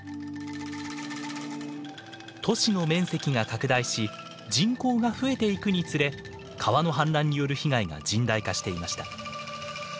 都市の面積が拡大し人口が増えていくにつれ川の氾濫による被害が甚大化していました。